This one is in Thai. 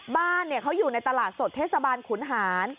บ้านเขาอยู่ในตลาดสดเทศบาลขุนหาร